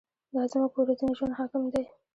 دا زموږ په ورځني ژوند حاکم دی.